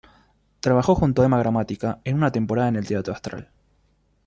Trabajó junto a Emma Gramatica en una temporada en el Teatro Astral.